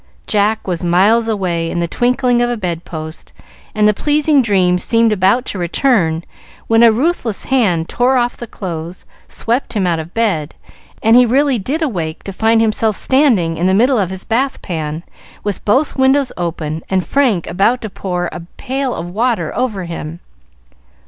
Jack was miles away "in the twinkling of a bedpost," and the pleasing dream seemed about to return, when a ruthless hand tore off the clothes, swept him out of bed, and he really did awake to find himself standing in the middle of his bath pan with both windows open, and Frank about to pour a pail of water over him.